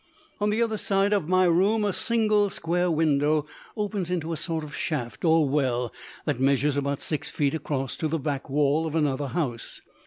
On the other side of my room a single square window opens into a sort of shaft, or well, that measures about six feet across to the back wall of another house.